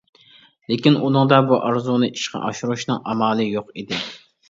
لېكىن ئۇنىڭدا بۇ ئارزۇنى ئىشقا ئاشۇرۇشنىڭ ئامالى يوق ئىدى.